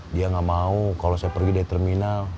dia gak mau kalau saya pergi dari terminal